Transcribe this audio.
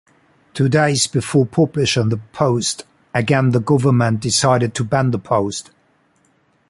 Two days before publishing the "Post" again the government decided to ban the "Post".